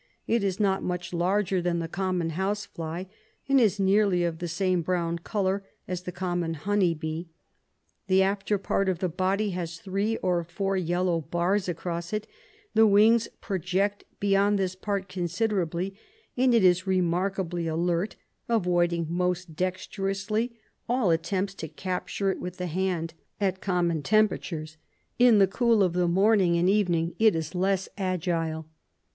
It is not much larger than the common house fly, and is nearly of the same brown colour as the common honey bee ; the after part of the body has three or four yellow bars across it, the wings project beyond this part considerably, and it is remarkably alert, avoiding most dexterously all attempts to capture it with the hand, at common temperatures ; in the cool of the morning and SLEEPING SICKNESS 3 evening it is less agile.